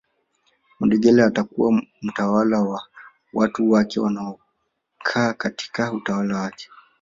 Mudegela atakuwa mtawala wa watu wake wanaokaa katika utawala wake